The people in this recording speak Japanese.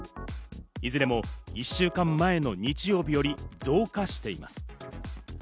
いずれも１週間前の日曜日より増加しています。